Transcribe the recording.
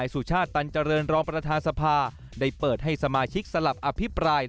สุชาติตันเจริญรองประธานสภาได้เปิดให้สมาชิกสลับอภิปราย